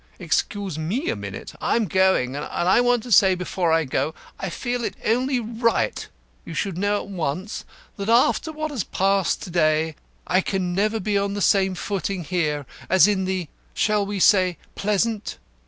"Excuse me a minute. I'm going, and I want to say before I go I feel it only right you should know at once that after what has passed to day I can never be on the same footing here as in the shall I say pleasant?